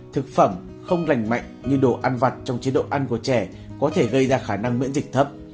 thực phẩm không lành mạnh như đồ ăn vặt trong chế độ ăn của trẻ có thể gây ra khả năng miễn dịch thấp